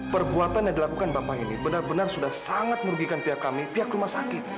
perbuatan yang dilakukan bapak ini benar benar sudah sangat merugikan pihak kami pihak rumah sakit